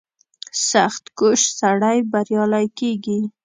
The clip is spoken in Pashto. • سختکوش سړی بریالی کېږي.